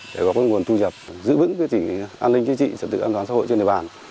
để góp nguồn thu nhập giữ bững an ninh chế trị sở tự an toàn xã hội trên đời bàn